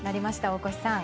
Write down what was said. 大越さん。